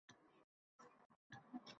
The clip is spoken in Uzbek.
To‘g‘ri shakllanmagan